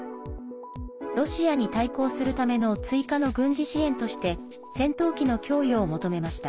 ロシアに対抗するための追加の軍事支援として戦闘機の供与を求めました。